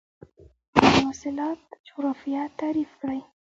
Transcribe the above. مواصلات جغرافیه تعریف کړئ.